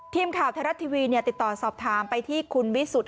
ทีมข่าวไทยรัฐทีวีติดต่อสอบถามไปที่คุณวิสุทธิ